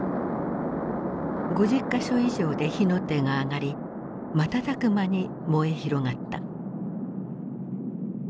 ５０か所以上で火の手が上がり瞬く間に燃え広がった。